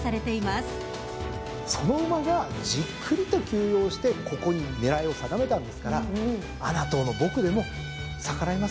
その馬がじっくりと休養してここに狙いを定めたんですから穴党の僕でも逆らえません。